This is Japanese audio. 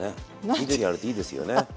緑あるといいですよね。